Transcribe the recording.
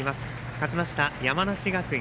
勝ちました、山梨学院。